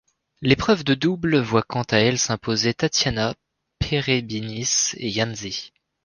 L'épreuve de double voit quant à elle s'imposer Tatiana Perebiynis et Yan Zi.